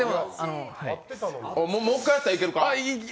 もう一回やったらいけるか？